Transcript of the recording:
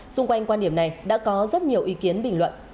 xung quanh quan điểm này đã có rất nhiều ý kiến bình luận